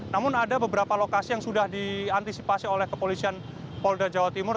namun ada beberapa lokasi yang sudah diantisipasi oleh kepolisian polda jawa timur